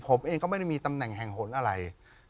ผมเองก็ไม่ได้มีตำแหน่งแห่งหนอะไร